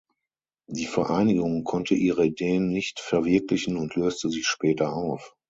Die Vereinigung konnte ihre Ideen nicht verwirklichen und löste sich später auf.